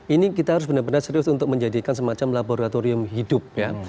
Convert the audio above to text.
ini kita harus benar benar serius untuk menjadikan semacam laboratorium hidup ya